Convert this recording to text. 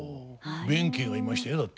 弁慶がいましたよだってさっき。